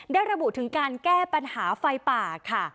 ระบุถึงการแก้ปัญหาไฟป่าค่ะ